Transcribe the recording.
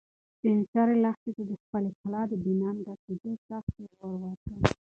سپین سرې لښتې ته د خپلې کلا د بې ننګه کېدو سخت پېغور ورکړ.